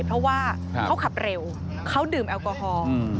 เพราะว่าเขาขับเร็วเขาดื่มแอลกอฮอล์